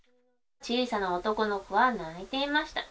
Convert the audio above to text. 小さな男の子は泣いていました。